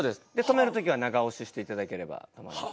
止める時は長押ししていただければ止まります。